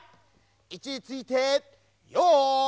いちについてよい。